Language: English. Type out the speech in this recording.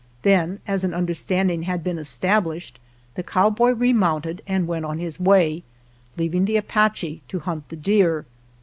Then, as an understand ing had been established, the cowboy re mounted and went on his way, leaving the Apache to hunt the deer.